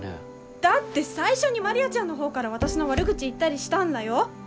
だって最初にマリアちゃんの方から私の悪口言ったりしたんらよ。